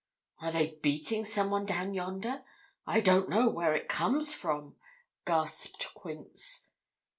'Are they beating some one down yonder? I don't know where it comes from,' gasped Quince.